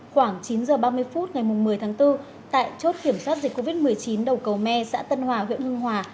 khoảng chín h ba mươi phút ngày một mươi tháng bốn tại chốt kiểm soát dịch covid một mươi chín đầu cầu me xã tân hòa huyện hưng hòa